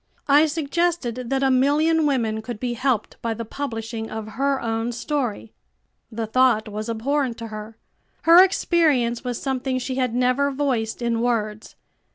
I suggested that a million women could be helped by the publishing of her own story. The thought was abhorrent to her. Her experience was something she had never voiced in words.